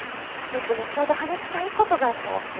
☎うちもちょうど話したいことがあったわけ。